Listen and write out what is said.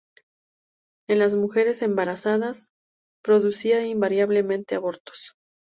En las mujeres embarazadas producía invariablemente abortos.